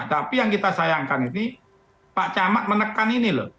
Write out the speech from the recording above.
tapi yang kita sayangkan ini pak camat menekan ini loh